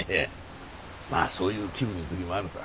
まあそういう気分の時もあるさ。